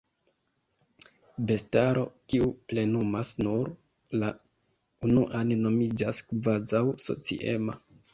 Bestaro, kiu plenumas nur la unuan, nomiĝas kvazaŭ-sociema.